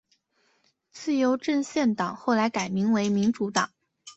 自由阵线党后来改名为民主党。